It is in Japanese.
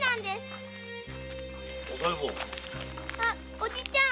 おじちゃん！